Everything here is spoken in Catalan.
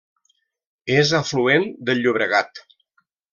És afluent del Llobregat.